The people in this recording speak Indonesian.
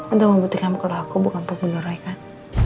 untuk membuktikan kalau aku bukan pembuluh roy kan